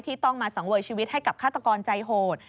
ต้องมาสังเวยชีวิตให้กับฆาตกรใจโหด